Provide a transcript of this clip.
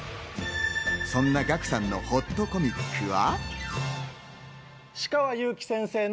そんなガクさんのほっとコミックは？